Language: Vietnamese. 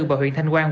bờ huyện thanh quang